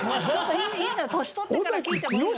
年取ってから聴いてもいいのよ。